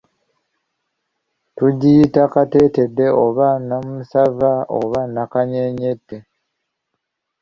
Tugiyita katetedde oba nnamusava oba akanyenyette.